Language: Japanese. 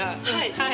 はい。